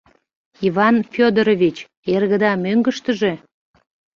— Иван Фёдорович, эргыда мӧҥгыштыжӧ?